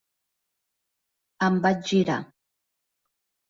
Em vaig girar.